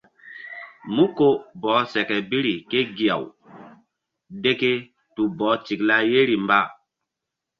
Mú ko bɔh seke biri ké gi-aw deke tu bɔh tikla yeri mba.